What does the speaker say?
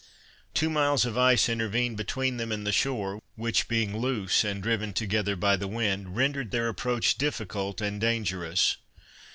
Two miles of ice intervened between them and the shore, which being loose and driven together by the wind, rendered their approach difficult and dangerous.